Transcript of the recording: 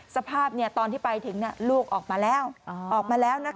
สภาพตอนที่ไปถึงลูกออกมาแล้ว